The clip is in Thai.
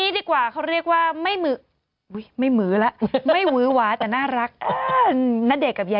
แต่แบบกล้องไม่ลักไง